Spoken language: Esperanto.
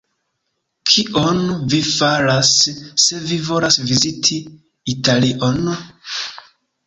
Kion vi faras, se vi volas viziti Italion?